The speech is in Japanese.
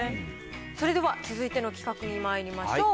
それでは続いての企画にまいりましょう。